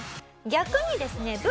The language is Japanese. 逆にですね